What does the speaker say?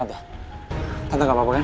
tante tante gak apa apa kan